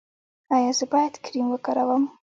ایا زه باید کریم وکاروم؟